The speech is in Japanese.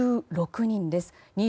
１６人です。